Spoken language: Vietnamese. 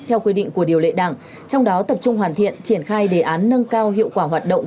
theo quy định của điều lệ đảng trong đó tập trung hoàn thiện triển khai đề án nâng cao hiệu quả hoạt động